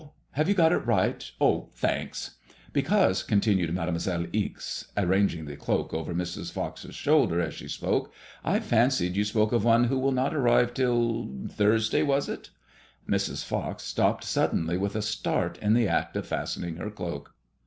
Have you got it right ? Oh, thanks." ^'Because, continued Made moiselle Ixe, arranging the cloak over Mrs. Fox's shoulders as she spoke, '' I fancied you spoke of one who did not arrive till— Thursday, was it ?'* Mrs. Fox stopped suddenly with a start in the act of fasten ing her cloak.